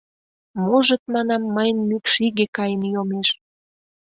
— Можыт, манам, мыйын мӱкш иге каен йомеш.